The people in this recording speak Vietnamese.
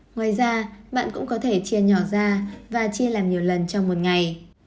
ngoài ra bạn cũng có thể chia nhỏ ra và chia làm nhiều lần trong một ngày